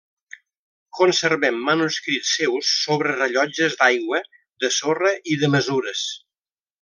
Conservem manuscrits seus sobre rellotges d'aigua, de sorra, i de mesures.